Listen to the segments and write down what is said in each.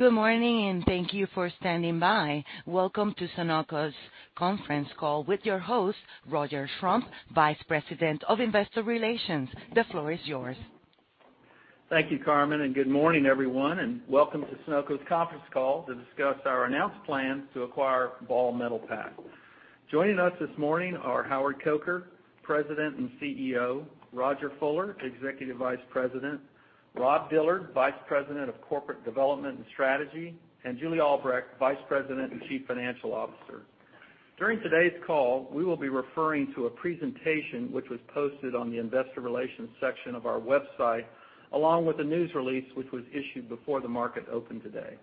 Good morning, and thank you for standing by. Welcome to Sonoco's conference call with your host, Roger Schrum, Vice President of Investor Relations. The floor is yours. Thank you, Carmen, and good morning, everyone, and welcome to Sonoco's conference call to discuss our announced plans to acquire Ball Metalpack. Joining us this morning are Howard Coker, President and CEO, Rodger Fuller, Executive Vice President, Rob Dillard, Vice President of Corporate Development and Strategy, and Julie Albrecht, Vice President and Chief Financial Officer. During today's call, we will be referring to a presentation which was posted on the investor relations section of our website, along with a news release, which was issued before the market opened today.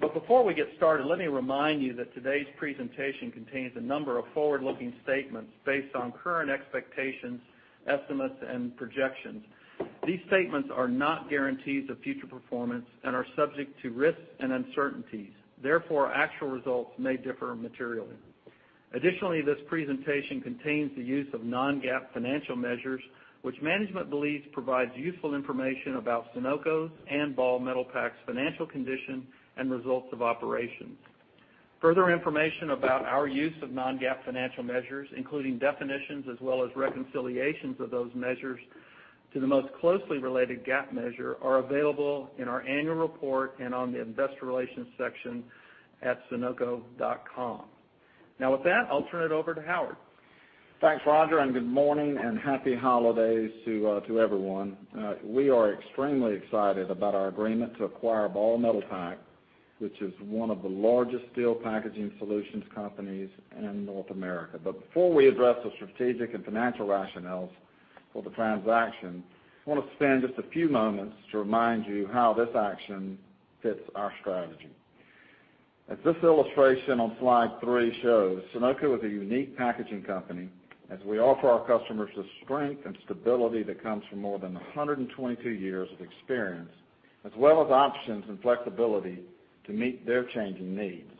Before we get started, let me remind you that today's presentation contains a number of forward-looking statements based on current expectations, estimates, and projections. These statements are not guarantees of future performance and are subject to risks and uncertainties. Therefore, actual results may differ materially. Additionally, this presentation contains the use of non-GAAP financial measures, which management believes provides useful information about Sonoco's and Ball Metalpack's financial condition and results of operations. Further information about our use of non-GAAP financial measures, including definitions as well as reconciliations of those measures to the most closely related GAAP measure, are available in our annual report and on the investor relations section at sonoco.com. Now, with that, I'll turn it over to Howard. Thanks, Roger, and good morning and happy holidays to everyone. We are extremely excited about our agreement to acquire Ball Metalpack, which is one of the largest steel packaging solutions companies in North America. Before we address the strategic and financial rationales for the transaction, I wanna spend just a few moments to remind you how this action fits our strategy. As this illustration on slide three shows, Sonoco is a unique packaging company as we offer our customers the strength and stability that comes from more than 122 years of experience, as well as options and flexibility to meet their changing needs.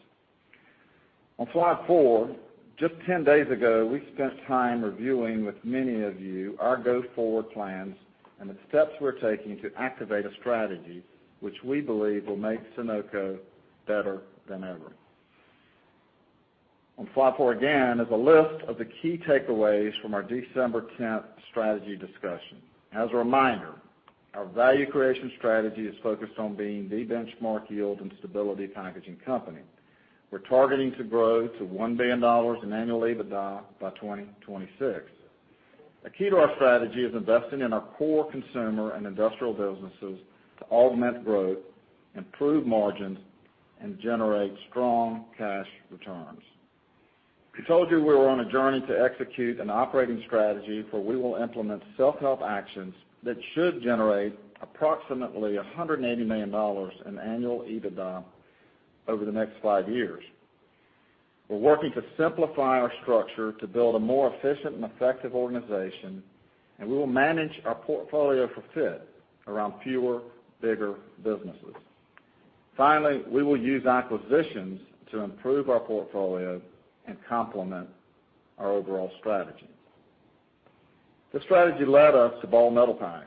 On slide four, just 10 days ago, we spent time reviewing with many of you our go-forward plans and the steps we're taking to activate a strategy which we believe will make Sonoco better than ever. On slide four, again, is a list of the key takeaways from our December 10 strategy discussion. As a reminder, our value creation strategy is focused on being the benchmark yield and stability packaging company. We're targeting to grow to $1 billion in annual EBITDA by 2026. A key to our strategy is investing in our core consumer and industrial businesses to augment growth, improve margins, and generate strong cash returns. We told you we were on a journey to execute an operating strategy, for we will implement self-help actions that should generate approximately $180 million in annual EBITDA over the next five years. We're working to simplify our structure to build a more efficient and effective organization, and we will manage our portfolio for fit around fewer, bigger businesses. Finally, we will use acquisitions to improve our portfolio and complement our overall strategy. This strategy led us to Ball Metalpack.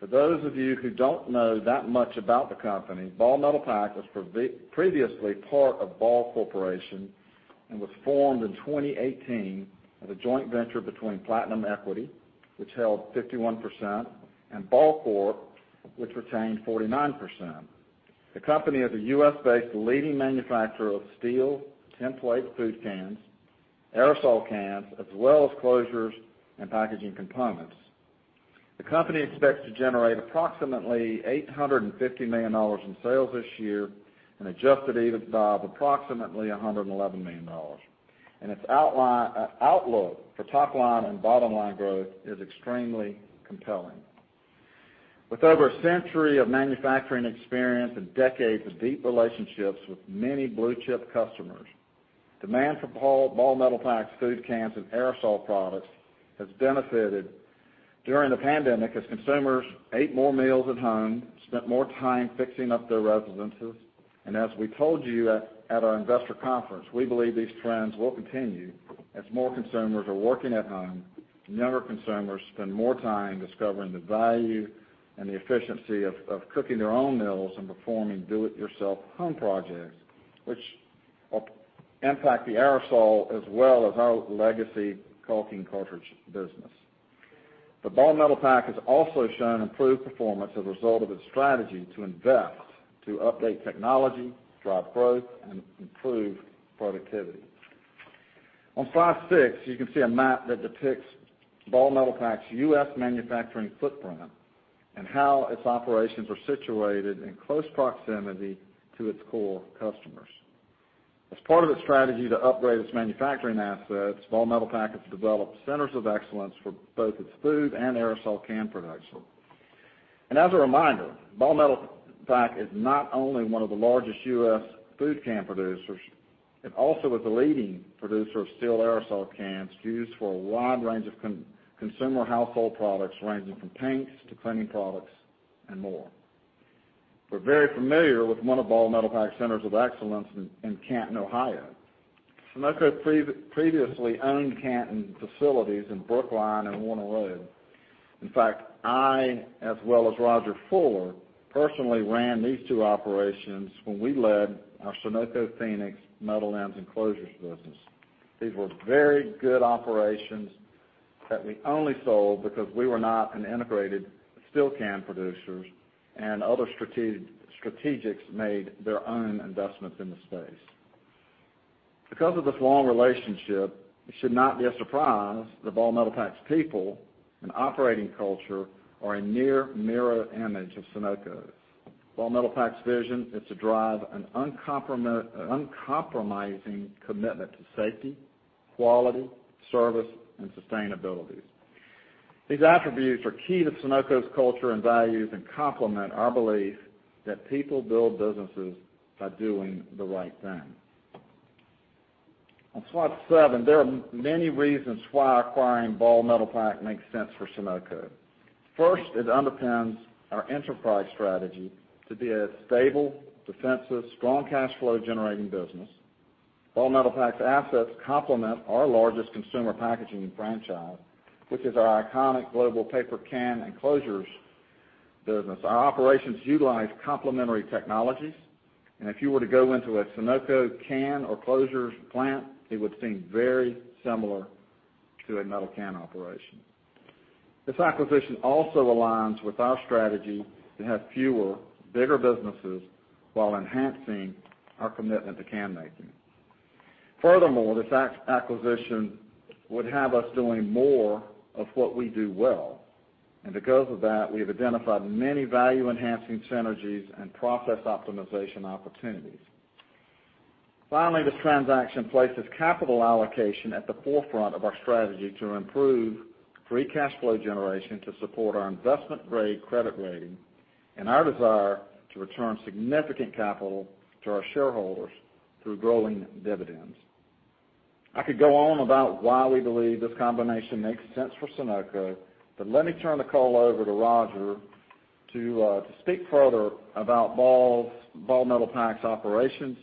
For those of you who don't know that much about the company, Ball Metalpack was previously part of Ball Corporation and was formed in 2018 as a joint venture between Platinum Equity, which held 51%, and Ball Corp, which retained 49%. The company is a U.S.-based leading manufacturer of steel tinplate food cans, aerosol cans, as well as closures and packaging components. The company expects to generate approximately $850 million in sales this year, an adjusted EBITDA of approximately $111 million, and its outlook for top line and bottom line growth is extremely compelling. With over a century of manufacturing experience and decades of deep relationships with many blue-chip customers, demand for Ball Metalpack's food cans and aerosol products has benefited during the pandemic as consumers ate more meals at home, spent more time fixing up their residences, and as we told you at our investor conference, we believe these trends will continue as more consumers are working at home and younger consumers spend more time discovering the value and the efficiency of cooking their own meals and performing do it yourself home projects, which will impact the aerosol as well as our legacy caulking cartridge business. Ball Metalpack has also shown improved performance as a result of its strategy to invest, to update technology, drive growth, and improve productivity. On slide six, you can see a map that depicts Ball Metalpack's U.S. manufacturing footprint and how its operations are situated in close proximity to its core customers. As part of its strategy to upgrade its manufacturing assets, Ball Metalpack has developed centers of excellence for both its food and aerosol can production. As a reminder, Ball Metalpack is not only one of the largest U.S. food can producers, it also is a leading producer of steel aerosol cans used for a wide range of consumer household products, ranging from paints to cleaning products and more. We're very familiar with one of Ball Metalpack's centers of excellence in Canton, Ohio. Sonoco previously owned Canton facilities in Brookline and Warner Road. In fact, I as well as Rodger Fuller personally ran these two operations when we led our Sonoco Phoenix metal ends and closures business. These were very good operations that we only sold because we were not an integrated steel can producers, and other strategics made their own investments in the space. Because of this long relationship, it should not be a surprise that Ball Metalpack's people and operating culture are a near mirror image of Sonoco's. Ball Metalpack's vision is to drive an uncompromising commitment to safety, quality, service, and sustainability. These attributes are key to Sonoco's culture and values, and complement our belief that people build businesses by doing the right thing. On slide seven, there are many reasons why acquiring Ball Metalpack makes sense for Sonoco. First, it underpins our enterprise strategy to be a stable, defensive, strong cash flow generating business. Ball Metalpack's assets complement our largest consumer packaging franchise, which is our iconic global paper can and closures business. Our operations utilize complementary technologies, and if you were to go into a Sonoco can or closures plant, it would seem very similar to a metal can operation. This acquisition also aligns with our strategy to have fewer, bigger businesses while enhancing our commitment to can making. Furthermore, this acquisition would have us doing more of what we do well, and because of that, we have identified many value-enhancing synergies and process optimization opportunities. Finally, this transaction places capital allocation at the forefront of our strategy to improve free cash flow generation to support our investment-grade credit rating and our desire to return significant capital to our shareholders through growing dividends. I could go on about why we believe this combination makes sense for Sonoco, but let me turn the call over to Roger to speak further about Ball Metalpack's operations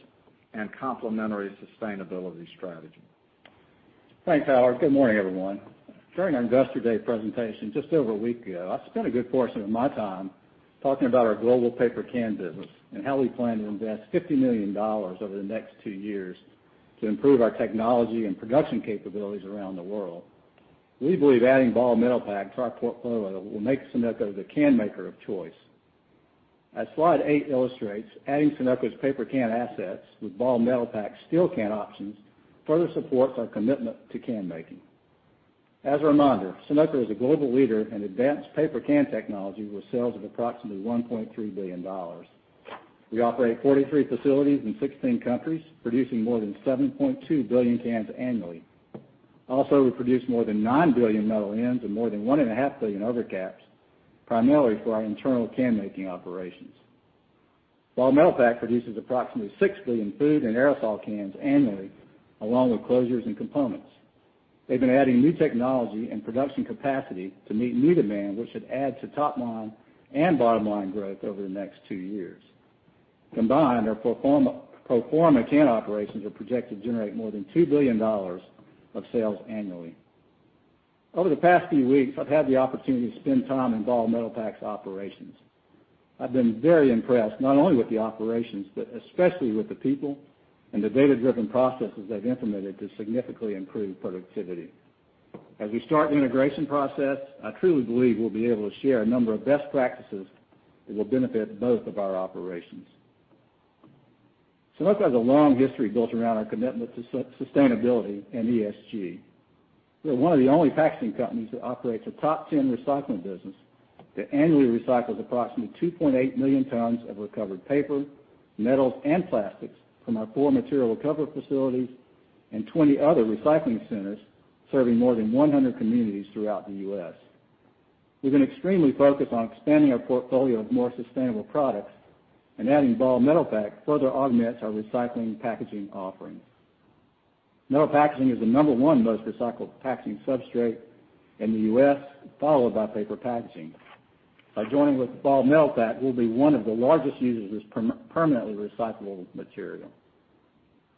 and complementary sustainability strategy. Thanks, Howard. Good morning, everyone. During our Investor Day presentation just over a week ago, I spent a good portion of my time talking about our global paper can business and how we plan to invest $50 million over the next two years to improve our technology and production capabilities around the world. We believe adding Ball Metalpack to our portfolio will make Sonoco the can maker of choice. As slide eight illustrates, adding Sonoco's paper can assets with Ball Metalpack's steel can options further supports our commitment to can making. As a reminder, Sonoco is a global leader in advanced paper can technology with sales of approximately $1.3 billion. We operate 43 facilities in 16 countries, producing more than 7.2 billion cans annually. We produce more than 9 billion metal ends and more than 1.5 billion over caps, primarily for our internal can making operations. Ball Metalpack produces approximately 6 billion food and aerosol cans annually, along with closures and components. They've been adding new technology and production capacity to meet new demand, which should add to top line and bottom line growth over the next 2 years. Combined, our pro forma can operations are projected to generate more than $2 billion of sales annually. Over the past few weeks, I've had the opportunity to spend time in Ball Metalpack's operations. I've been very impressed, not only with the operations, but especially with the people and the data-driven processes they've implemented to significantly improve productivity. As we start the integration process, I truly believe we'll be able to share a number of best practices that will benefit both of our operations. Sonoco has a long history built around our commitment to sustainability and ESG. We're one of the only packaging companies that operates a top 10 recycling business that annually recycles approximately 2.8 million tons of recovered paper, metals, and plastics from our four materials recovery facilities and 20 other recycling centers, serving more than 100 communities throughout the U.S. We've been extremely focused on expanding our portfolio of more sustainable products, and adding Ball Metalpack further augments our recycling packaging offerings. Metal packaging is the number one most recycled packaging substrate in the U.S., followed by paper packaging. By joining with Ball Metalpack, we'll be one of the largest users of this permanently recyclable material.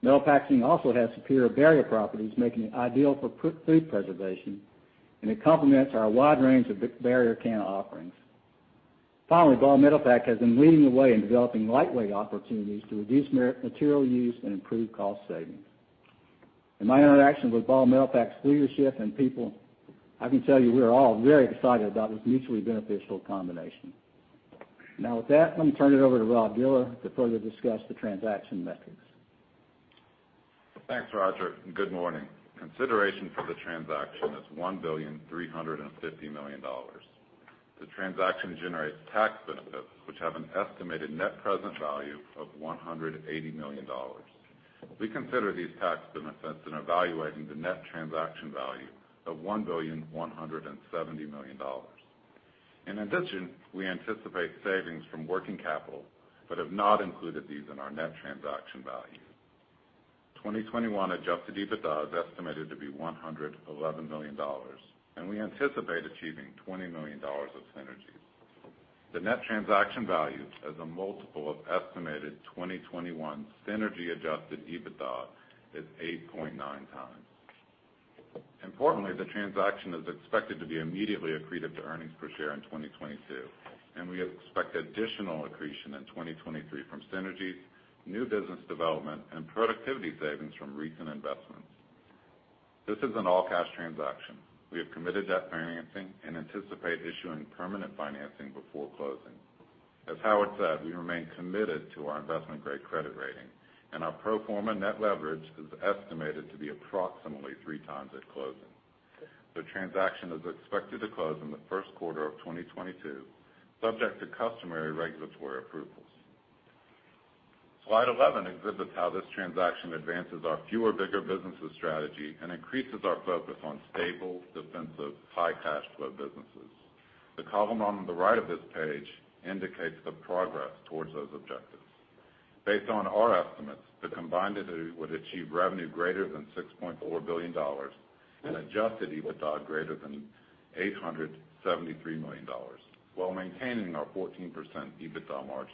Metal packaging also has superior barrier properties, making it ideal for food preservation, and it complements our wide range of barrier can offerings. Finally, Ball Metalpack has been leading the way in developing lightweight opportunities to reduce material use and improve cost savings. In my interactions with Ball Metalpack's leadership and people, I can tell you we're all very excited about this mutually beneficial combination. Now with that, let me turn it over to Rob Dillard to further discuss the transaction metrics. Thanks, Roger, and good morning. Consideration for the transaction is $1.35 billion. The transaction generates tax benefits, which have an estimated net present value of $180 million. We consider these tax benefits in evaluating the net transaction value of $1.17 billion. In addition, we anticipate savings from working capital, but have not included these in our net transaction value. 2021 adjusted EBITDA is estimated to be $111 million, and we anticipate achieving $20 million of synergies. The net transaction value as a multiple of estimated 2021 synergy-adjusted EBITDA is 8.9x. Importantly, the transaction is expected to be immediately accretive to earnings per share in 2022, and we expect additional accretion in 2023 from synergies, new business development, and productivity savings from recent investments. This is an all-cash transaction. We have committed debt financing and anticipate issuing permanent financing before closing. As Howard said, we remain committed to our investment-grade credit rating, and our pro forma net leverage is estimated to be approximately 3x at closing. The transaction is expected to close in the first quarter of 2022, subject to customary regulatory approvals. Slide 11 exhibits how this transaction advances our fewer, bigger businesses strategy and increases our focus on stable, defensive, high cash flow businesses. The column on the right of this page indicates the progress towards those objectives. Based on our estimates, the combined entity would achieve revenue greater than $6.4 billion and adjusted EBITDA greater than $873 million while maintaining our 14% EBITDA margin.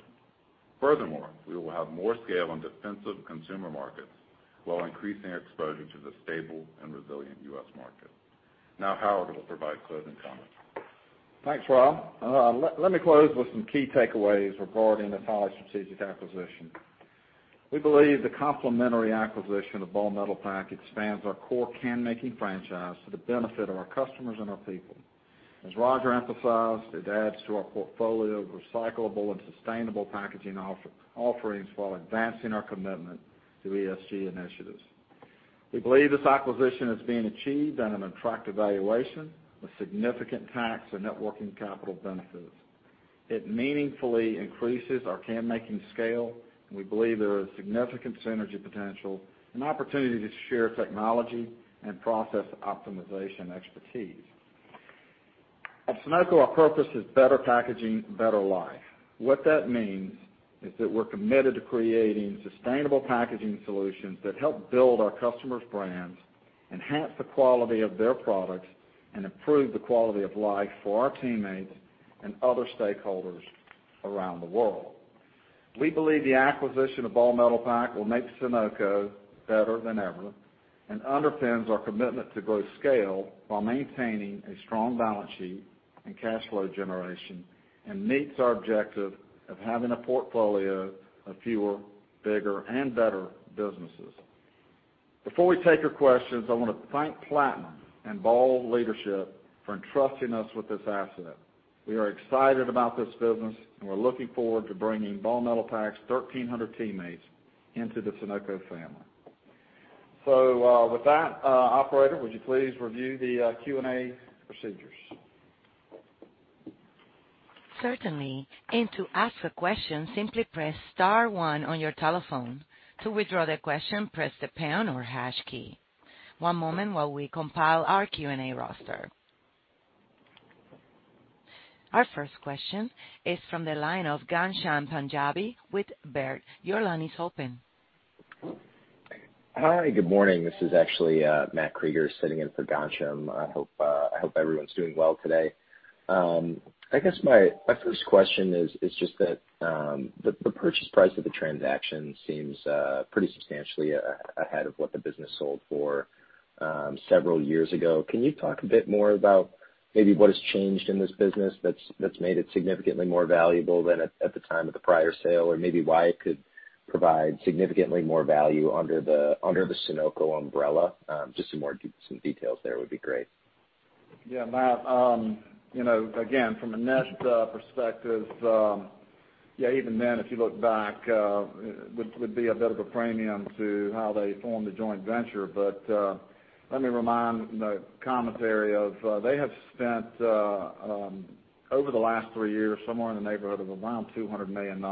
Furthermore, we will have more scale on defensive consumer markets while increasing exposure to the stable and resilient U.S. market. Now Howard will provide closing comments. Thanks, Rob. Let me close with some key takeaways regarding this highly strategic acquisition. We believe the complementary acquisition of Ball Metalpack expands our core can-making franchise for the benefit of our customers and our people. As Roger emphasized, it adds to our portfolio of recyclable and sustainable packaging offerings while advancing our commitment to ESG initiatives. We believe this acquisition is being achieved at an attractive valuation with significant tax and net working capital benefits. It meaningfully increases our can-making scale, and we believe there is significant synergy potential and opportunity to share technology and process optimization expertise. At Sonoco, our purpose is better packaging, better life. What that means is that we're committed to creating sustainable packaging solutions that help build our customers' brands, enhance the quality of their products, and improve the quality of life for our teammates and other stakeholders around the world. We believe the acquisition of Ball Metalpack will make Sonoco better than ever and underpins our commitment to grow scale while maintaining a strong balance sheet and cash flow generation, and meets our objective of having a portfolio of fewer, bigger, and better businesses. Before we take your questions, I want to thank Platinum and Ball leadership for entrusting us with this asset. We are excited about this business, and we're looking forward to bringing Ball Metalpack's 1,300 teammates into the Sonoco family. With that, Operator, would you please review the Q&A procedures? Our first question is from the line of Ghansham Panjabi with Baird. Your line is open. Hi, good morning. This is actually, Matt Krueger sitting in for Ghansham. I hope everyone's doing well today. I guess my first question is just that, the purchase price of the transaction seems pretty substantially ahead of what the business sold for, several years ago. Can you talk a bit more about maybe what has changed in this business that's made it significantly more valuable than at the time of the prior sale? Or maybe why it could provide significantly more value under the Sonoco umbrella? Just some more details there would be great. Yeah, Matt. You know, again, from a net perspective, yeah, even then, if you look back, it would be a bit of a premium to how they formed the joint venture. Let me remind the commentary of, they have spent over the last three years, somewhere in the neighborhood of around $200 million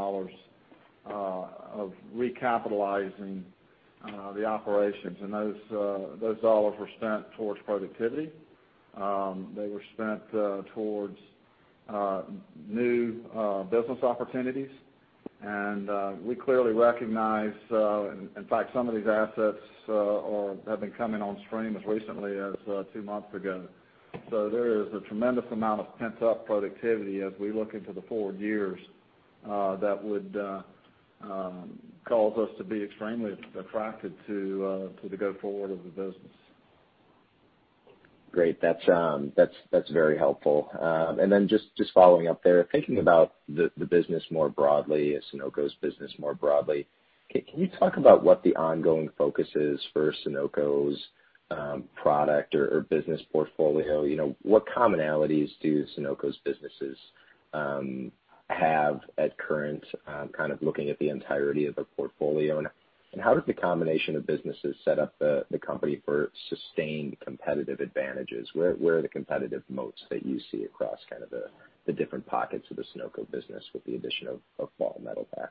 of recapitalizing the operations. Those dollars were spent towards productivity. They were spent towards new business opportunities. We clearly recognize, in fact, some of these assets have been coming on stream as recently as two months ago. There is a tremendous amount of pent-up productivity as we look into the forward years that would cause us to be extremely attracted to the go-forward of the business. Great. That's very helpful. And then just following up there, thinking about the business more broadly, Sonoco's business more broadly, can you talk about what the ongoing focus is for Sonoco's product or business portfolio? You know, what commonalities do Sonoco's businesses have at current kind of looking at the entirety of the portfolio? And how does the combination of businesses set up the company for sustained competitive advantages? Where are the competitive moats that you see across kind of the different pockets of the Sonoco business with the addition of Ball Metalpack?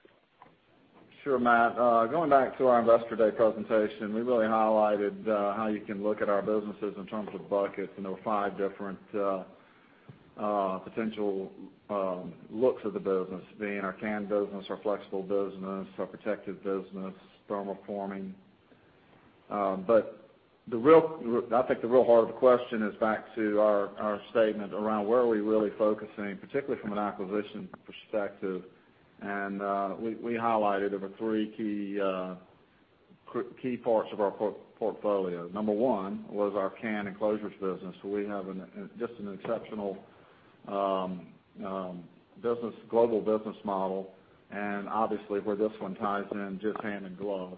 Sure, Matt. Going back to our Investor Day presentation, we really highlighted how you can look at our businesses in terms of buckets. There were five different potential looks of the business, being our can business, our flexible business, our protective business, thermoforming, but the real heart of the question is back to our statement around where we are really focusing, particularly from an acquisition perspective, and we highlighted our three key parts of our portfolio. Number one was our ends and closures business, where we have just an exceptional global business model, and obviously, where this one ties in just hand in glove.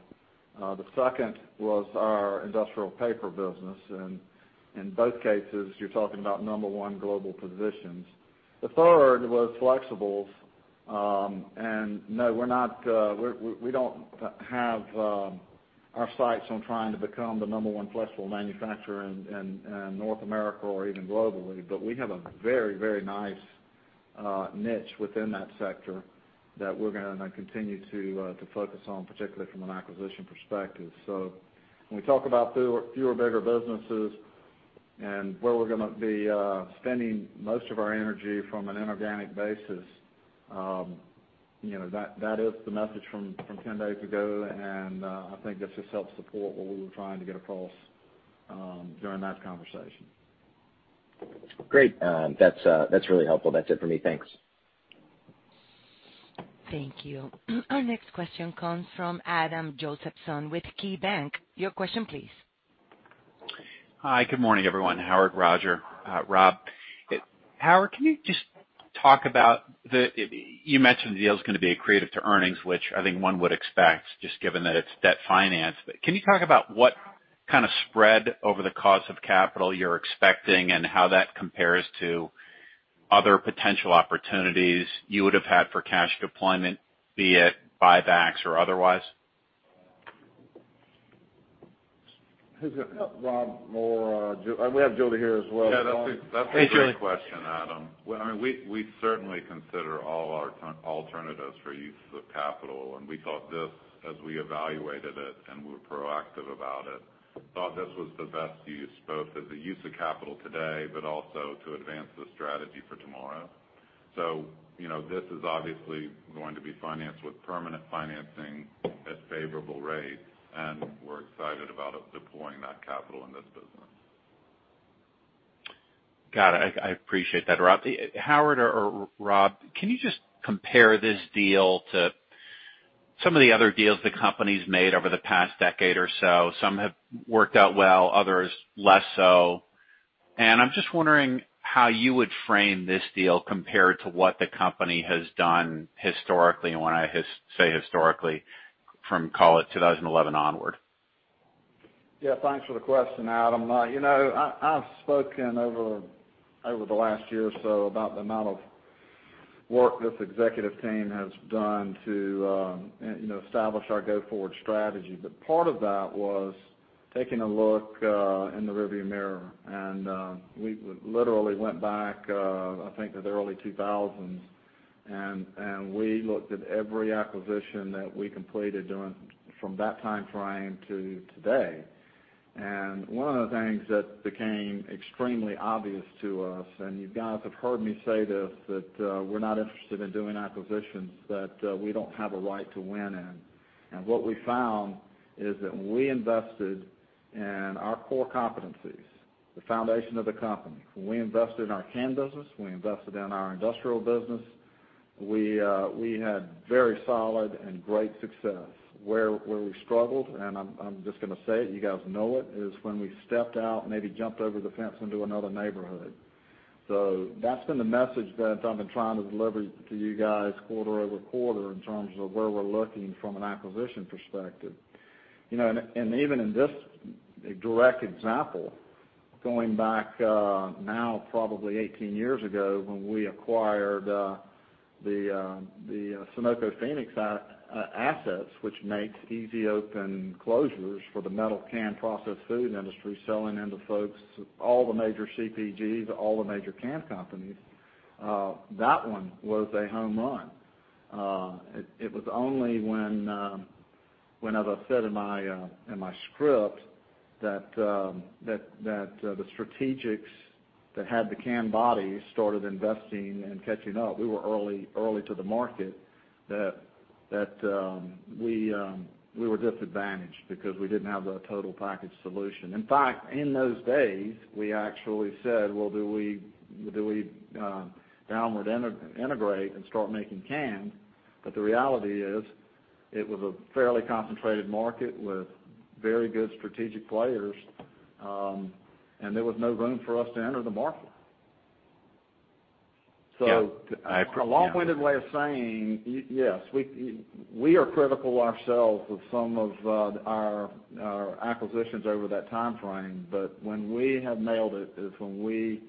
The second was our industrial paper business, and in both cases, you are talking about number one global positions. The third was flexibles. No, we're not. We don't have our sights on trying to become the number one flexible manufacturer in North America or even globally, but we have a very, very nice niche within that sector that we're gonna continue to focus on, particularly from an acquisition perspective. When we talk about fewer bigger businesses and where we're gonna be spending most of our energy from an inorganic basis, you know, that is the message from ten days ago, and I think this just helps support what we were trying to get across during that conversation. Great. That's really helpful. That's it for me. Thanks. Thank you. Our next question comes from Adam Josephson with KeyBanc. Your question please. Hi. Good morning, everyone. Howard, Roger, Rob. Howard, can you just talk about. You mentioned the deal is gonna be accretive to earnings, which I think one would expect just given that it's debt financed. Can you talk about what kind of spread over the cost of capital you're expecting and how that compares to other potential opportunities you would have had for cash deployment, be it buybacks or otherwise? Rob, more. We have Jody here as well. Yeah, that's a great question, Adam. Well, I mean, we certainly consider all our alternatives for uses of capital, and we thought this as we evaluated it, and we were proactive about it. Thought this was the best use, both as a use of capital today, but also to advance the strategy for tomorrow. You know, this is obviously going to be financed with permanent financing at favorable rates, and we're excited about deploying that capital in this business. Got it. I appreciate that, Rob. Howard or Rob, can you just compare this deal to some of the other deals the company's made over the past decade or so? Some have worked out well, others less so. I'm just wondering how you would frame this deal compared to what the company has done historically, and when I say historically, from call it 2011 onward. Yeah. Thanks for the question, Adam. You know, I've spoken over the last year or so about the amount of work this executive team has done to you know establish our go-forward strategy. Part of that was taking a look in the rearview mirror. We literally went back, I think to the early 2000s, and we looked at every acquisition that we completed from that time frame to today. One of the things that became extremely obvious to us, and you guys have heard me say this, that we're not interested in doing acquisitions that we don't have a right to win in. What we found is that when we invested in our core competencies, the foundation of the company, when we invested in our can business, when we invested in our industrial business, we had very solid and great success. Where we struggled, and I'm just gonna say it, you guys know it, is when we stepped out, maybe jumped over the fence into another neighborhood. That's been the message that I've been trying to deliver to you guys quarter-over-quarter in terms of where we're looking from an acquisition perspective. You know, even in this direct example, going back now probably 18 years ago when we acquired the Sonoco Phoenix assets, which makes easy open closures for the metal can processed food industry, selling them to folks, all the major CPGs, all the major can companies, that one was a home run. It was only when, as I said in my script, that the strategics that had the can body started investing and catching up. We were early to the market. That we were disadvantaged because we didn't have the total package solution. In fact, in those days, we actually said, "Well, do we downward integrate and start making cans?" The reality is it was a fairly concentrated market with very good strategic players, and there was no room for us to enter the market. Yeah. A long-winded way of saying, yes, we are critical of ourselves with some of our acquisitions over that time frame, but when we have nailed it is when we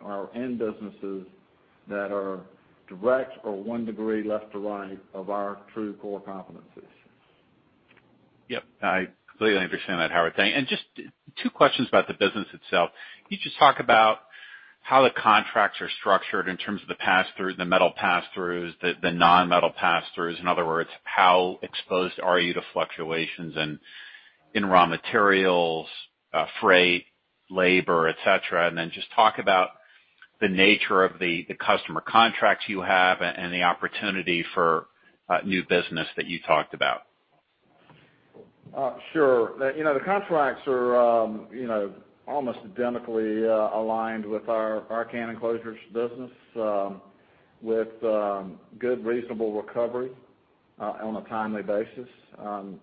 are in businesses that are direct or one degree left to right of our true core competencies. Yep. I completely understand that, Howard. Thank you. Just two questions about the business itself. Can you just talk about how the contracts are structured in terms of the pass through, the metal pass throughs, the non-metal pass throughs. In other words, how exposed are you to fluctuations in raw materials, freight, labor, et cetera. Just talk about the nature of the customer contracts you have and the opportunity for new business that you talked about. Sure. You know, the contracts are, you know, almost identically aligned with our can closures business, with good reasonable recovery on a timely basis.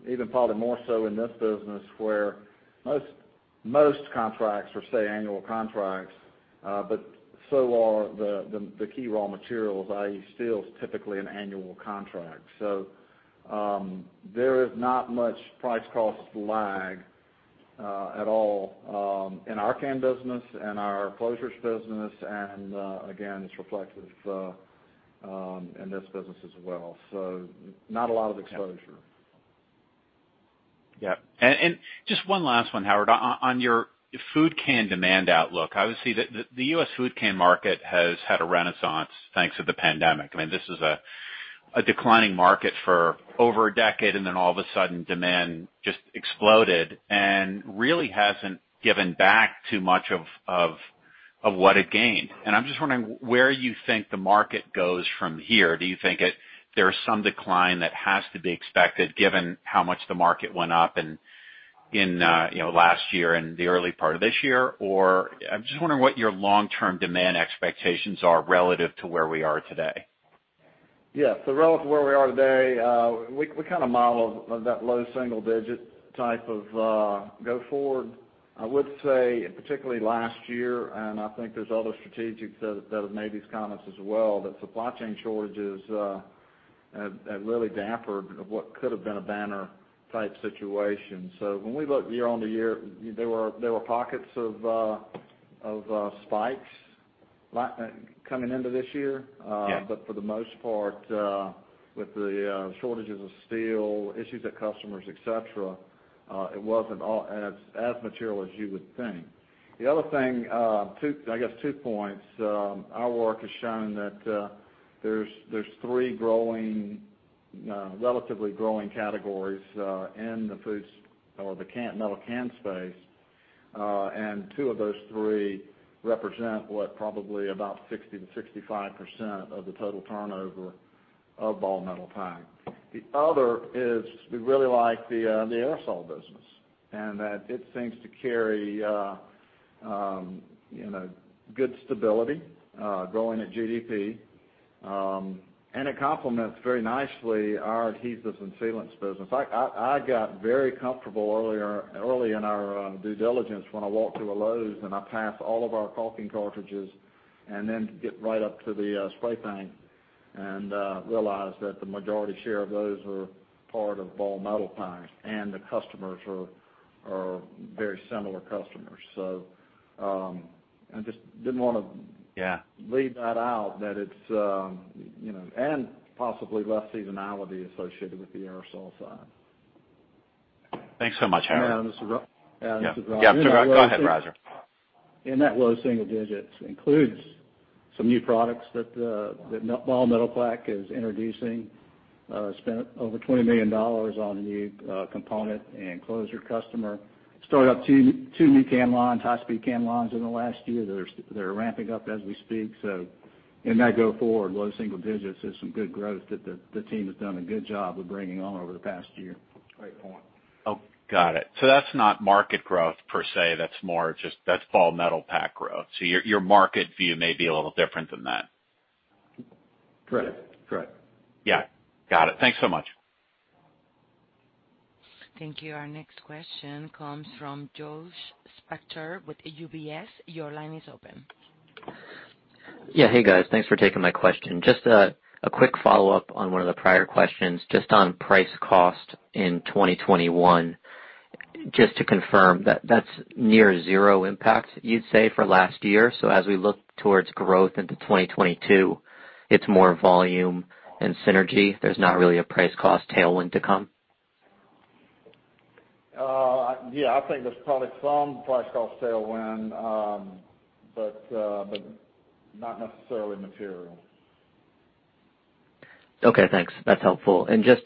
Even probably more so in this business where most contracts are, say, annual contracts, but so are the key raw materials, i.e. steel is typically an annual contract. There is not much price cost lag at all in our can business and our closures business and, again, it's reflective in this business as well. Not a lot of exposure. Just one last one, Howard. On your food can demand outlook, obviously the U.S. food can market has had a renaissance thanks to the pandemic. I mean, this is a declining market for over a decade, and then all of a sudden, demand just exploded and really hasn't given back too much of what it gained. I'm just wondering where you think the market goes from here. Do you think there's some decline that has to be expected given how much the market went up in you know last year and the early part of this year? Or I'm just wondering what your long-term demand expectations are relative to where we are today. Yeah. Relative to where we are today, we kind of model that low single-digit type of go forward. I would say particularly last year, and I think there's other strategics that have made these comments as well, that supply chain shortages have really dampened what could have been a banner type situation. When we look year-on-year, there were pockets of spikes coming into this year. Yeah. For the most part, with the shortages of steel, issues at customers, et cetera, it wasn't all as material as you would think. The other thing, I guess two points, our work has shown that there's three growing, relatively growing categories in the foods or the metal can space. Two of those three represent what? Probably about 60%-65% of the total turnover of Ball Metalpack. The other is we really like the aerosol business, and that it seems to carry, you know, good stability, growing at GDP. It complements very nicely our adhesives and sealants business. I got very comfortable early in our due diligence when I walked through a Lowe's and I passed all of our caulking cartridges and then get right up to the spray paint and realized that the majority share of those were part of Ball Metalpack, and the customers are very similar customers. I just didn't wanna- Yeah. Leave that out, that it's, you know, possibly less seasonality associated with the aerosol side. Thanks so much, Howard. Yeah. This is Roger. Yeah. Yeah, this is Roger. Yeah. Go ahead, Roger. That low single digits% includes some new products that Ball Metalpack is introducing. Spent over $20 million on new component and closure customer. Started up 2 new can lines, high-speed can lines in the last year. They're ramping up as we speak. In that going forward, low single digits%, there's some good growth that the team has done a good job of bringing on over the past year. Great point. Oh, got it. That's not market growth per se. That's more just. That's Ball Metalpack growth. Your market view may be a little different than that. Correct. Correct. Yeah. Got it. Thanks so much. Thank you. Our next question comes from Josh Spector with UBS. Your line is open. Yeah. Hey, guys. Thanks for taking my question. Just a quick follow-up on one of the prior questions, just on price cost in 2021. Just to confirm, that's near zero impact, you'd say, for last year. As we look towards growth into 2022, it's more volume and synergy. There's not really a price cost tailwind to come. Yeah. I think there's probably some price cost tailwind, but not necessarily material. Okay, thanks. That's helpful. Just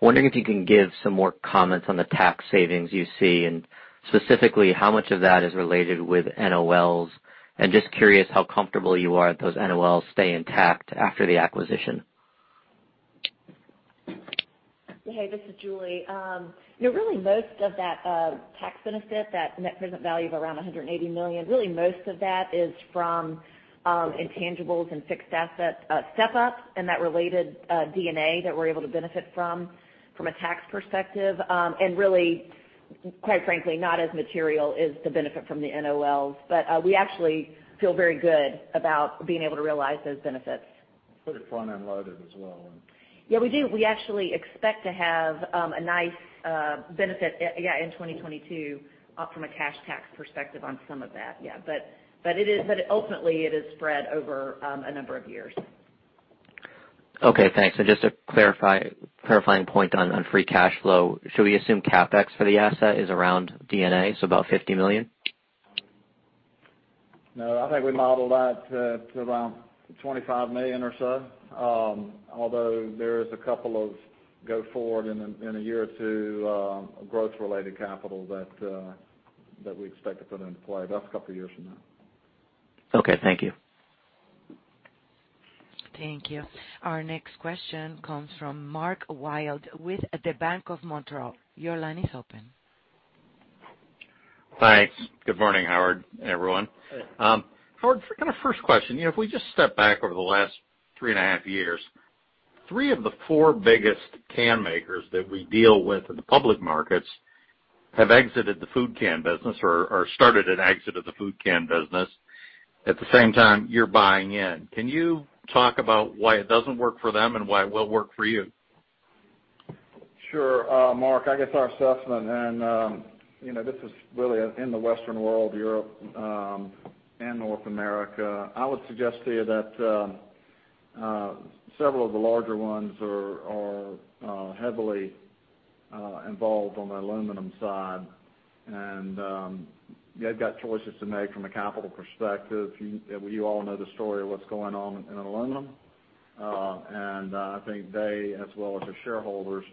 wondering if you can give some more comments on the tax savings you see, and specifically how much of that is related with NOLs. Just curious how comfortable you are that those NOLs stay intact after the acquisition? Hey, this is Julie. You know, really most of that tax benefit, that net present value of around $180 million, really most of that is from intangibles and fixed asset step up and that related D&A that we're able to benefit from a tax perspective. Really, quite frankly, not as material as the benefit from the NOLs. We actually feel very good about being able to realize those benefits. It's pretty front-end loaded as well. Yeah, we do. We actually expect to have a nice benefit in 2022 from a cash tax perspective on some of that. Ultimately, it is spread over a number of years. Okay, thanks. Just to clarify a point on free cash flow. Should we assume CapEx for the asset is around D&A, so about $50 million? No, I think we modeled that to around $25 million or so. Although there is a couple of go-forward in a year or two, growth-related capital that we expect to put into play, that's a couple years from now. Okay, thank you. Thank you. Our next question comes from Mark Wilde with the Bank of Montreal. Your line is open. Thanks. Good morning, Howard and everyone. Hey. Howard, kind of first question, you know, if we just step back over the last 3.5 years, three of the four biggest can makers that we deal with in the public markets have exited the food can business or started an exit of the food can business at the same time you're buying in. Can you talk about why it doesn't work for them and why it will work for you? Sure, Mark, I guess our assessment and, you know, this is really in the Western world, Europe, and North America. I would suggest to you that several of the larger ones are heavily involved on the aluminum side. They've got choices to make from a capital perspective. You all know the story of what's going on in aluminum. I think they, as well as their shareholders,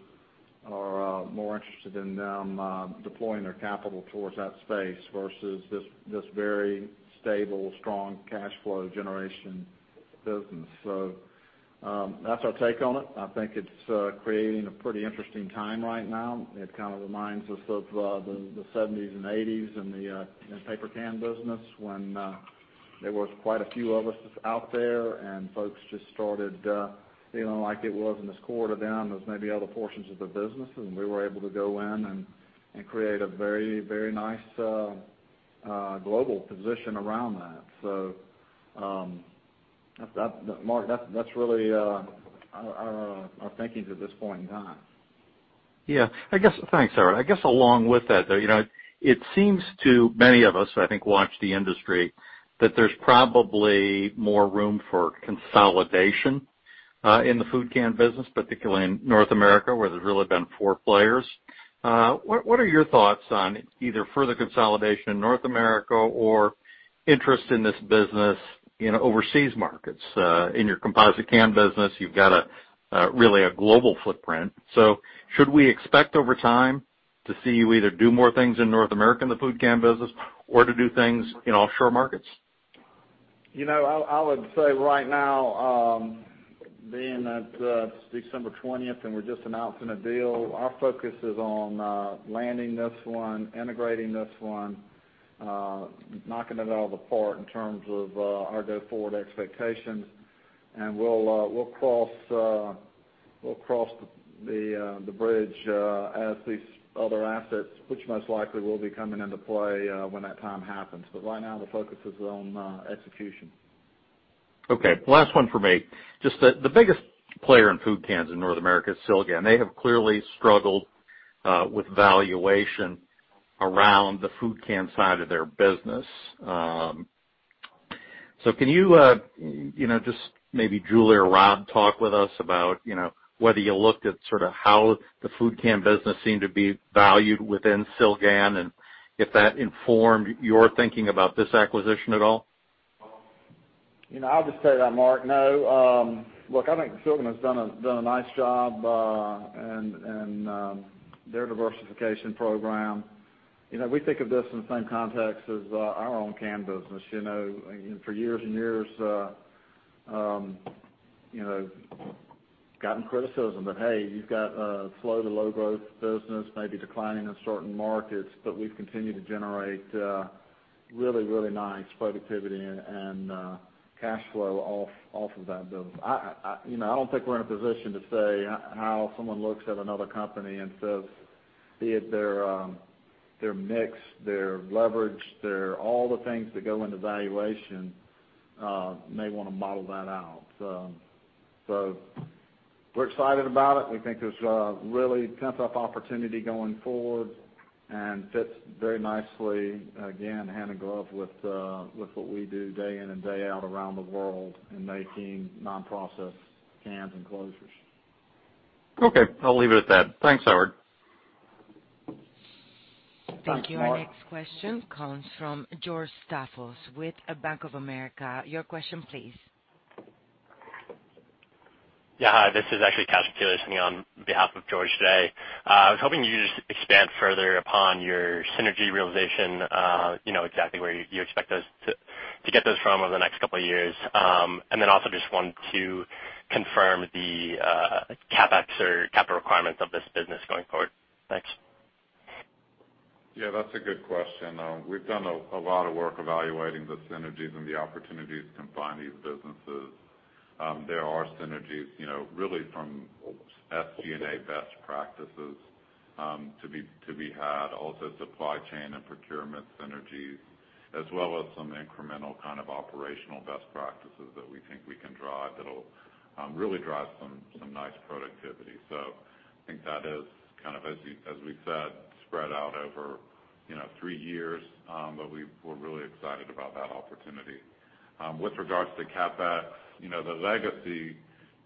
are more interested in them deploying their capital towards that space versus this very stable, strong cash flow generation business. That's our take on it. I think it's creating a pretty interesting time right now. It kind of reminds us of the seventies and eighties in the paper can business when there was quite a few of us out there, and folks just started, you know, like it was in this quarter down, there was maybe other portions of the business, and we were able to go in and create a very nice global position around that. That's Mark, that's really our thinking at this point in time. Yeah, I guess. Thanks, Howard. I guess along with that, you know, it seems to many of us, I think, watching the industry, that there's probably more room for consolidation in the food can business, particularly in North America, where there's really been four players. What are your thoughts on either further consolidation in North America or interest in this business in overseas markets? In your composite can business, you've got a really global footprint. So should we expect over time to see you either do more things in North America in the food can business or to do things in offshore markets? You know, I would say right now, being at December twentieth, and we're just announcing a deal, our focus is on landing this one, integrating this one, knocking it out of the park in terms of our go-forward expectations. We'll cross the bridge as these other assets, which most likely will be coming into play, when that time happens. Right now, the focus is on execution. Okay, last one for me. Just the biggest player in food cans in North America is Silgan. They have clearly struggled with valuation around the food can side of their business. Can you know, just maybe Julie or Rob, talk with us about, you know, whether you looked at sort of how the food can business seemed to be valued within Silgan, and if that informed your thinking about this acquisition at all? You know, I'll just tell you that, Mark, no. Look, I think Silgan has done a nice job and their diversification program. You know, we think of this in the same context as our own can business. You know, for years and years, gotten criticism that, hey, you've got a slow to low growth business, maybe declining in certain markets, but we've continued to generate really nice productivity and cash flow off of that business. I you know, I don't think we're in a position to say how someone looks at another company and says, be it their their mix, their leverage, their all the things that go into valuation, may wanna model that out. So we're excited about it. We think there's a really pent-up opportunity going forward and fits very nicely, again, hand in glove with what we do day in and day out around the world in making non-process cans and closures. Okay, I'll leave it at that. Thanks, Howard. Thanks, Mark. Thank you. Our next question comes from George Staphos with Bank of America. Your question please. Yeah, hi. This is actually Cashen Keeler on behalf of George today. I was hoping you just expand further upon your synergy realization, you know, exactly where you expect us to get those from over the next couple of years. Also just want to confirm the CapEx or capital requirements of this business going forward. Thanks. Yeah, that's a good question. We've done a lot of work evaluating the synergies and the opportunities combining these businesses. There are synergies, you know, really from SG&A best practices to be had, also supply chain and procurement synergies, as well as some incremental kind of operational best practices that we think we can drive that'll really drive some nice productivity. I think that is kind of, as we said, spread out over, you know, three years. We're really excited about that opportunity. With regards to CapEx, you know, the legacy,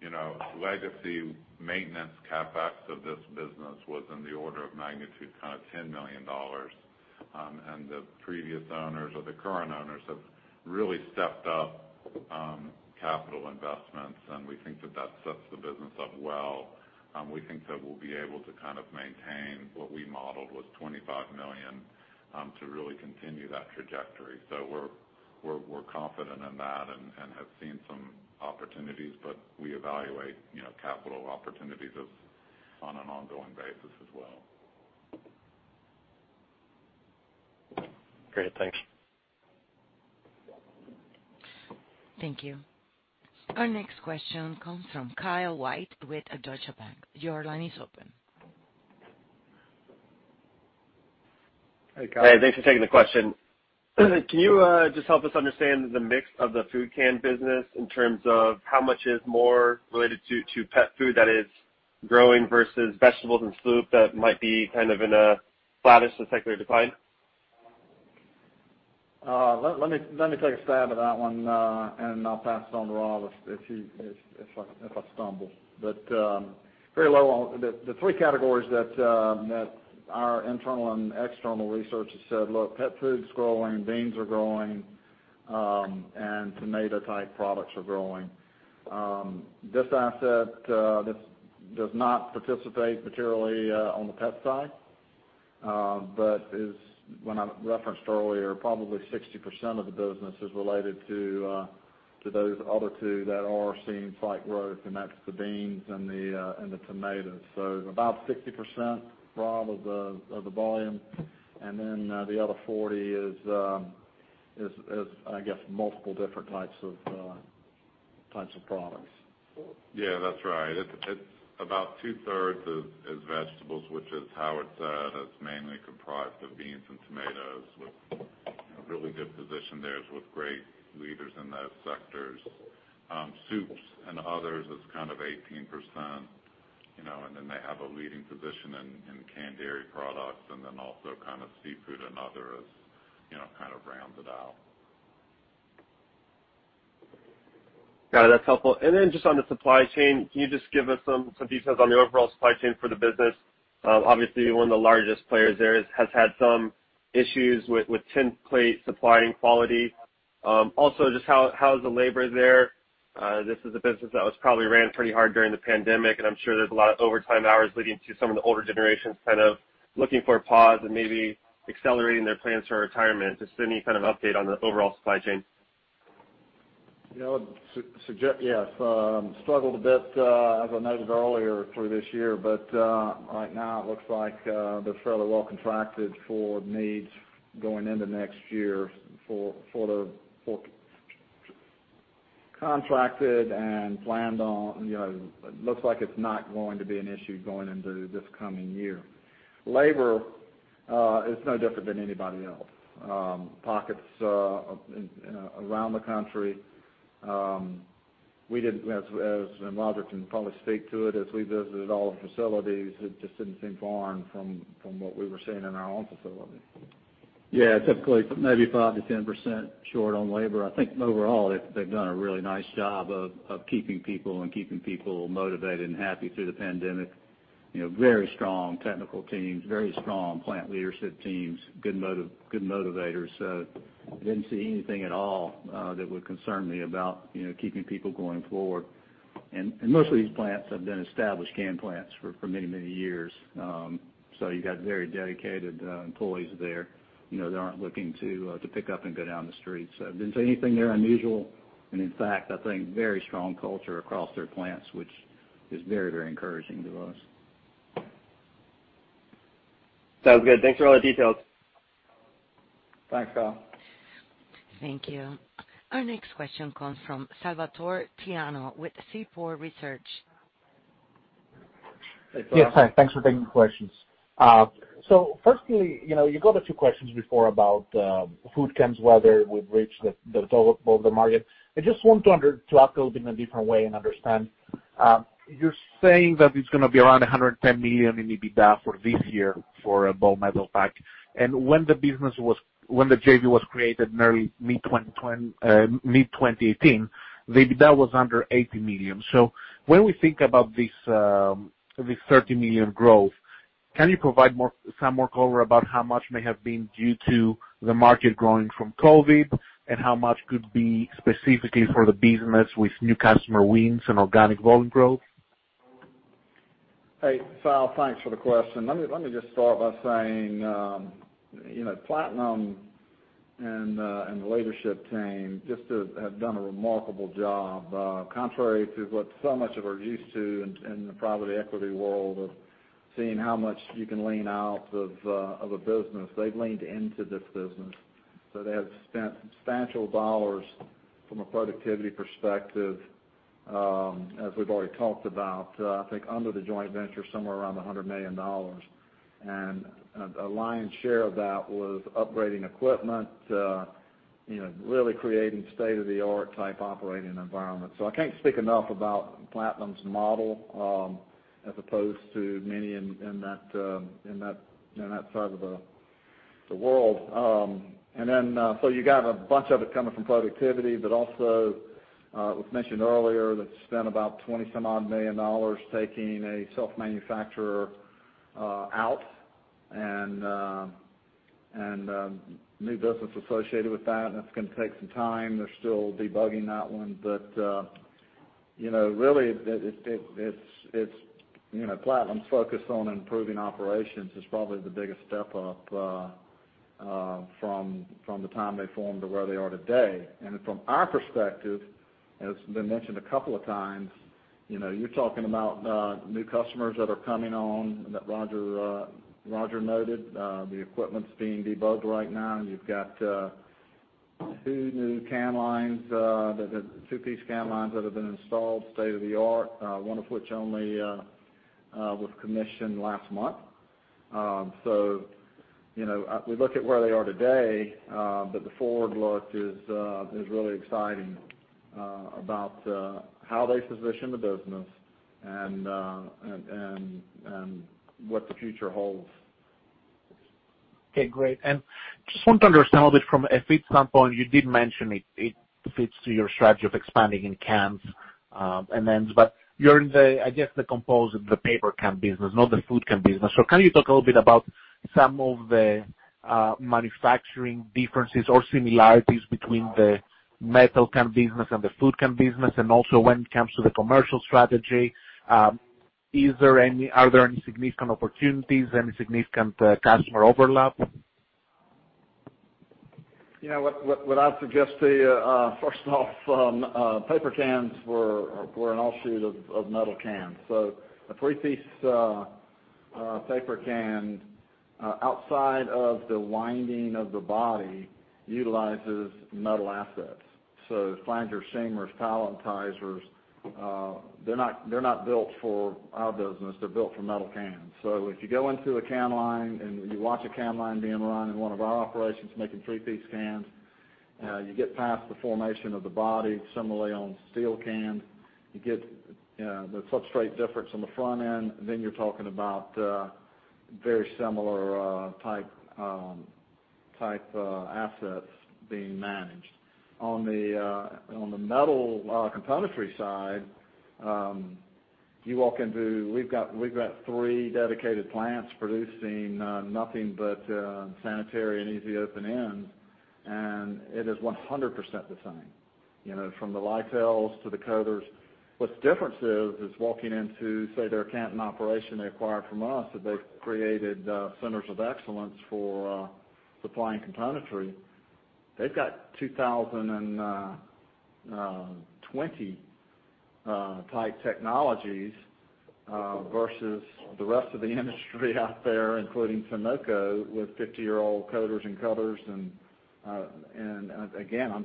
you know, legacy maintenance CapEx of this business was in the order of magnitude kind of $10 million. The previous owners or the current owners have really stepped up capital investments, and we think that that sets the business up well. We think that we'll be able to kind of maintain what we modeled was $25 million to really continue that trajectory. We're confident in that and have seen some opportunities, but we evaluate, you know, capital opportunities on an ongoing basis as well. Great. Thanks. Thank you. Our next question comes from Kyle White with Deutsche Bank. Your line is open. Hey, Kyle. Hey, thanks for taking the question. Can you just help us understand the mix of the food can business in terms of how much is more related to pet food that is growing versus vegetables and soup that might be kind of in a flattish to secular decline? Let me take a stab at that one, and I'll pass it on to Rob if he if I stumble. Very low on the three categories that our internal and external research has said, "Look, pet food's growing, beans are growing, and tomato-type products are growing." This asset does not participate materially on the pet side, but is, when I referenced earlier, probably 60% of the business is related to those other two that are seeing slight growth, and that's the beans and the tomatoes. About 60%, Rob, of the volume, and then the other 40% is, I guess, multiple different types of types of products. Yeah, that's right. It's about two-thirds is vegetables, which is how it's mainly comprised of beans and tomatoes with, you know, really good position there with great leaders in those sectors. Soups and others is kind of 18%, you know, and then they have a leading position in canned dairy products and then also kind of seafood and others, you know, kind of rounds it out. Got it. That's helpful. Then just on the supply chain, can you just give us some details on the overall supply chain for the business? Obviously one of the largest players there has had some issues with tinplate supply and quality. Also just how is the labor there? This is a business that was probably run pretty hard during the pandemic, and I'm sure there's a lot of overtime hours leading to some of the older generations kind of looking for a pause and maybe accelerating their plans for retirement. Just any kind of update on the overall supply chain. You know, struggled a bit, as I noted earlier through this year, but right now it looks like they're fairly well contracted for needs going into next year for contracted and planned on. You know, looks like it's not going to be an issue going into this coming year. Labor is no different than anybody else. Pockets in and around the country, and Rodger Fuller can probably speak to it, as we visited all the facilities. It just didn't seem different from what we were seeing in our own facility. Yeah, typically maybe 5%-10% short on labor. I think overall they've done a really nice job of keeping people motivated and happy through the pandemic. You know, very strong technical teams, very strong plant leadership teams, good motivators. Didn't see anything at all that would concern me about, you know, keeping people going forward. Most of these plants have been established can plants for many years. You got very dedicated employees there, you know, that aren't looking to pick up and go down the street. Didn't see anything there unusual. In fact, I think very strong culture across their plants, which is very encouraging to us. Sounds good. Thanks for all the details. Thanks, Kyle. Thank you. Our next question comes from Salvator Tiano with Seaport Research. Hey, Sal. Yes, hi. Thanks for taking the questions. Firstly, you know, you got a few questions before about food cans, whether we've reached the total of the market. I just want to ask a little bit in a different way and understand. You're saying that it's gonna be around $110 million in EBITDA for this year for Ball Metalpack. When the JV was created in early mid-2018, the EBITDA was under $80 million. When we think about this $30 million growth, can you provide some more color about how much may have been due to the market growing from COVID, and how much could be specifically for the business with new customer wins and organic volume growth? Hey, Sal, thanks for the question. Let me just start by saying, you know, Platinum and the leadership team just have done a remarkable job. Contrary to what so much of we're used to in the private equity world of seeing how much you can lean out of a business, they've leaned into this business. They have spent substantial dollars from a productivity perspective, as we've already talked about, I think under the joint venture, somewhere around $100 million. A lion's share of that was upgrading equipment, you know, really creating state-of-the-art type operating environment. I can't speak enough about Platinum's model, as opposed to many in that side of the world. You got a bunch of it coming from productivity, but also, it was mentioned earlier that they spent about $20 million taking a self-manufacturer out and new business associated with that, and it's gonna take some time. They're still debugging that one. You know, really, it's Platinum's focus on improving operations is probably the biggest step up from the time they formed to where they are today. From our perspective, has been mentioned a couple of times, you know, you're talking about new customers that are coming on, that Roger noted. The equipment's being debugged right now, and you've got two new can lines, two-piece can lines that have been installed, state-of-the-art, one of which only was commissioned last month. You know, we look at where they are today, but the forward look is really exciting about how they position the business and what the future holds. Okay, great. Just want to understand a bit from a fit standpoint, you did mention it fits to your strategy of expanding in cans and ends, but you're in the, I guess, the composite paper can business, not the food can business. Can you talk a little bit about some of the manufacturing differences or similarities between the metal can business and the food can business? Also, when it comes to the commercial strategy, are there any significant opportunities, any significant customer overlap? You know what I'd suggest to you first off, paper cans were an offshoot of metal cans. A three-piece paper can outside of the winding of the body utilizes metal assets. Flangers, seamers, palletizers, they're not built for our business. They're built for metal cans. If you go into a can line and you watch a can line being run in one of our operations making three-piece cans, you get past the formation of the body similarly on steel cans, you get the substrate difference on the front end, then you're talking about very similar type assets being managed. On the metal componentry side, we've got three dedicated plants producing nothing but sanitary and easy open ends, and it is 100% the same, you know, from the litho lines to the coaters. What's different is walking into, say, their Canton operation they acquired from us that they've created centers of excellence for supplying componentry. They've got 2020-type technologies versus the rest of the industry out there, including Sonoco, with 50-year-old coaters and curlers. I'm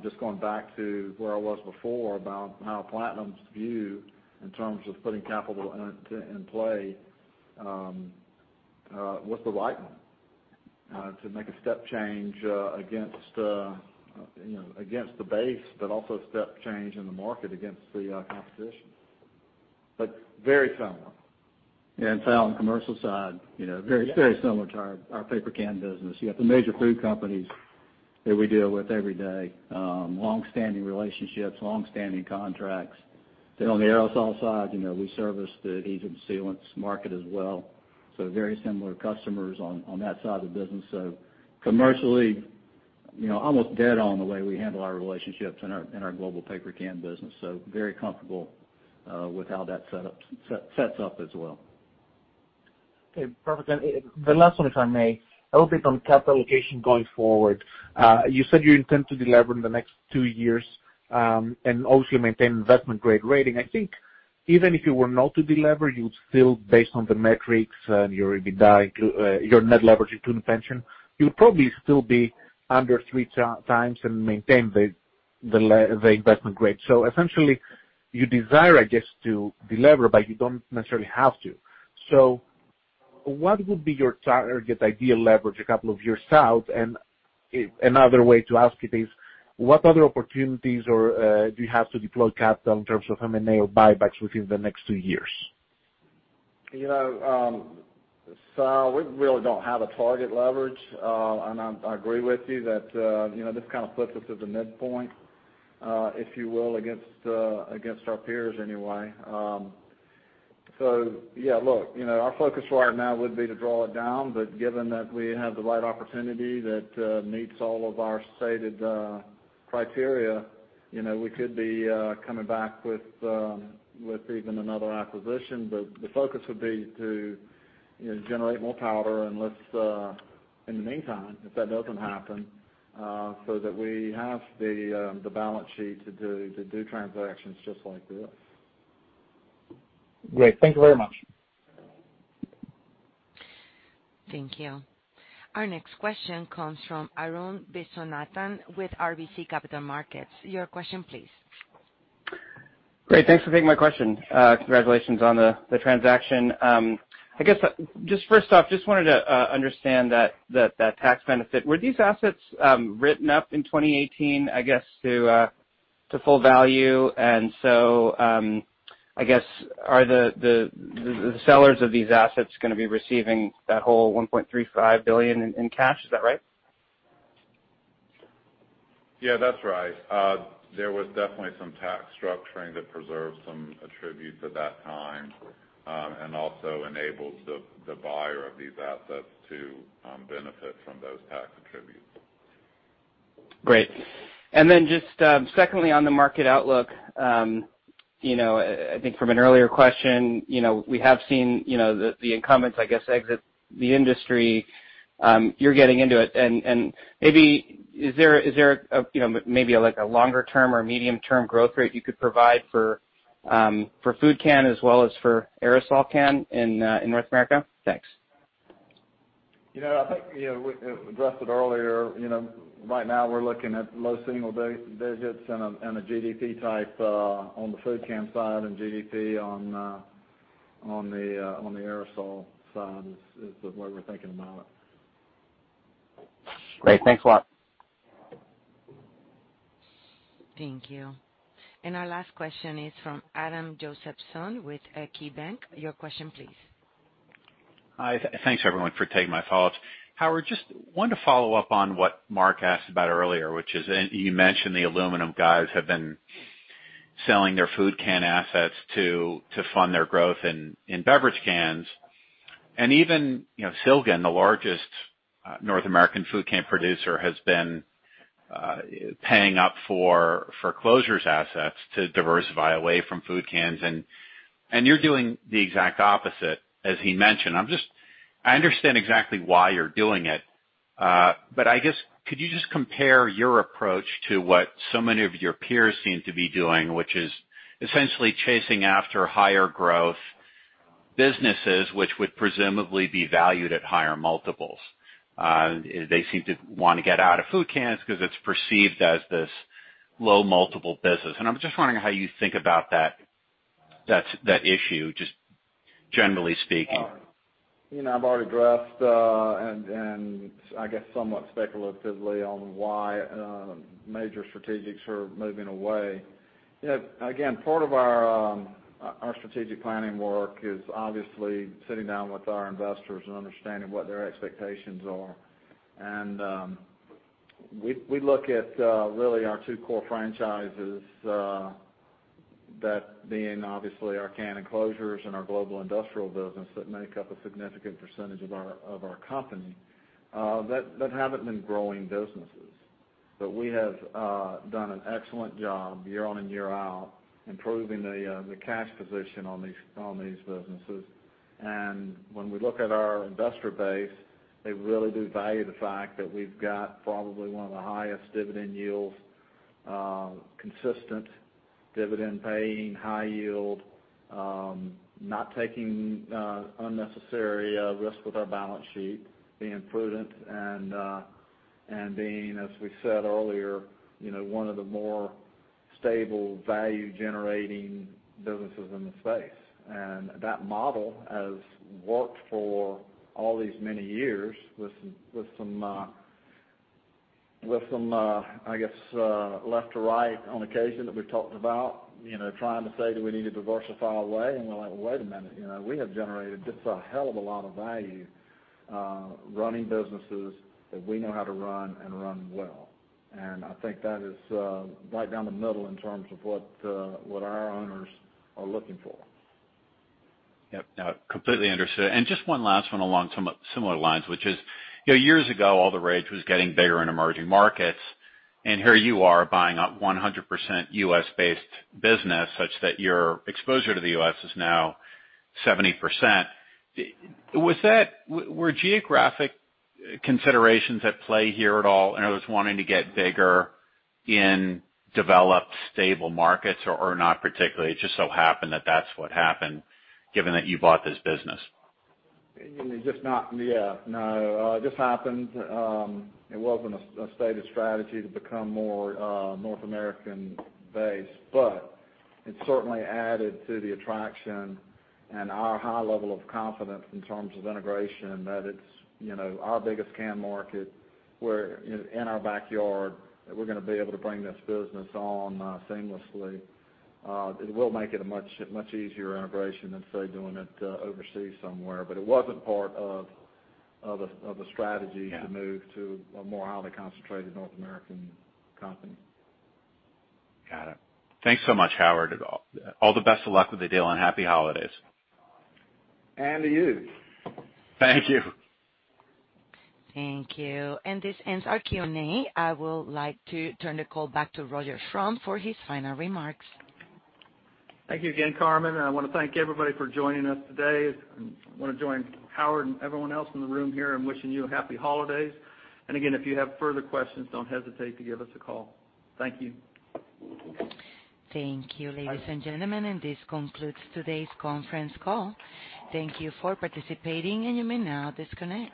just going back to where I was before about how Platinum's view in terms of putting capital in play was the right one to make a step change against, you know, against the base, but also step change in the market against the competition. Very similar. Sal, on the commercial side, you know, very, very similar to our paper can business. You got the major food companies that we deal with every day, longstanding relationships, longstanding contracts. Then on the aerosol side, you know, we service the adhesives and sealants market as well, so very similar customers on that side of the business. So commercially, you know, almost dead on the way we handle our relationships in our global paper can business, so very comfortable with how that sets up as well. Okay, perfect. The last one, if I may. A little bit on capital allocation going forward. You said you intend to delever in the next two years and also maintain investment-grade rating. I think even if you were not to delever, you would still, based on the metrics, and your EBITDA, your net leverage including pension, you'll probably still be under three times and maintain the investment grade. Essentially, you desire, I guess, to delever, but you don't necessarily have to. What would be your target or just ideal leverage a couple of years out? If another way to ask it is, what other opportunities or do you have to deploy capital in terms of M&A or buybacks within the next two years? You know, Sal, we really don't have a target leverage. I agree with you that, you know, this kind of puts us at the midpoint, if you will, against our peers anyway. Yeah, look, you know, our focus right now would be to draw it down, but given that we have the right opportunity that meets all of our stated criteria, you know, we could be coming back with even another acquisition. The focus would be to, you know, generate more powder in the meantime if that doesn't happen so that we have the balance sheet to do transactions just like this. Great. Thank you very much. Thank you. Our next question comes from Arun Viswanathan with RBC Capital Markets. Your question please. Great. Thanks for taking my question. Congratulations on the transaction. I guess, just first off, just wanted to understand that tax benefit. Were these assets written up in 2018, I guess, to full value? I guess are the sellers of these assets gonna be receiving that whole $1.35 billion in cash? Is that right? Yeah, that's right. There was definitely some tax structuring to preserve some attributes at that time, and also enables the buyer of these assets to benefit from those tax attributes. Great. Just, secondly, on the market outlook, you know, I think from an earlier question, you know, we have seen, you know, the incumbents, I guess, exit the industry, you're getting into it. Maybe is there a, you know, maybe like a longer term or medium-term growth rate you could provide for food can as well as for aerosol can in North America? Thanks. You know, I think, you know, we addressed it earlier. You know, right now we're looking at low single digits and a GDP type on the food can side and GDP on the aerosol side is the way we're thinking about it. Great. Thanks a lot. Thank you. Our last question is from Adam Josephson with KeyBanc. Your question please. Hi. Thanks everyone for taking my calls. Howard, just wanted to follow up on what Mark asked about earlier, which is you mentioned the aluminum guys have been selling their food can assets to fund their growth in beverage cans. Even you know, Silgan, the largest North American food can producer, has been paying up for closures assets to diversify away from food cans. You're doing the exact opposite, as he mentioned. I understand exactly why you're doing it. I guess, could you just compare your approach to what so many of your peers seem to be doing, which is essentially chasing after higher growth businesses, which would presumably be valued at higher multiples? They seem to wanna get out of food cans because it's perceived as this low multiple business. I'm just wondering how you think about that issue, just generally speaking. You know, I've already addressed and I guess somewhat speculatively on why major strategics are moving away. You know, again, part of our strategic planning work is obviously sitting down with our investors and understanding what their expectations are. We look at really our two core franchises, that being obviously our can and closures and our global industrial business that make up a significant percentage of our company that haven't been growing businesses. We have done an excellent job year on and year out, improving the cash position on these businesses. When we look at our investor base, they really do value the fact that we've got probably one of the highest dividend yields, consistent dividend paying, high yield, not taking unnecessary risk with our balance sheet, being prudent and being, as we said earlier, you know, one of the more stable value-generating businesses in the space. That model has worked for all these many years with some, I guess, left and right on occasion that we've talked about, you know, trying to say, do we need to diversify away? We're like, well, wait a minute, you know, we have generated just a hell of a lot of value running businesses that we know how to run and run well. I think that is right down the middle in terms of what our owners are looking for. Yep. No, completely understood. Just one last one along some similar lines, which is, you know, years ago, all the rage was getting bigger in emerging markets, and here you are buying up 100% U.S.-based business such that your exposure to the U.S. is now 70%. Were geographic considerations at play here at all, in other words, wanting to get bigger in developed stable markets, or not particularly, it just so happened that that's what happened given that you bought this business? It just happened. It wasn't a stated strategy to become more North American based, but it certainly added to the attraction and our high level of confidence in terms of integration that it's, you know, our biggest can market. We're in our backyard. We're gonna be able to bring this business on seamlessly. It will make it a much, much easier integration than, say, doing it overseas somewhere. But it wasn't part of a strategy. Yeah. To move to a more highly concentrated North American company. Got it. Thanks so much, Howard. All the best of luck with the deal and happy holidays. To you. Thank you. Thank you. This ends our Q&A. I would like to turn the call back to Roger Schrum for his final remarks. Thank you again, Carmen, and I wanna thank everybody for joining us today. I wanna join Howard and everyone else in the room here in wishing you happy holidays. Again, if you have further questions, don't hesitate to give us a call. Thank you. Thank you, ladies and gentlemen. This concludes today's conference call. Thank you for participating, and you may now disconnect.